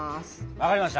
わかりました！